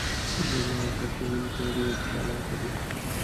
زما ذده کوونکي ډیر چالاکه دي.